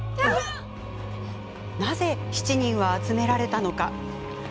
なぜ７人は集められたのか。